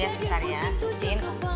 sebentar ya sebentar ya